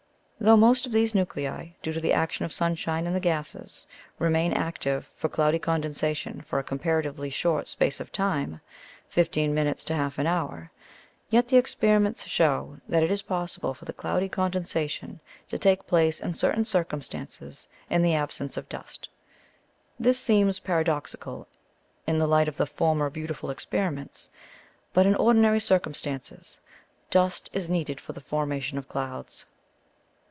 Though the most of these nuclei, due to the action of sunshine in the gases, remain active for cloudy condensation for a comparatively short space of time fifteen minutes to half an hour yet the experiments show that it is possible for the cloudy condensation to take place in certain circumstances in the absence of dust. This seems paradoxical in the light of the former beautiful experiments; but, in ordinary circumstances, dust is needed for the formation of clouds.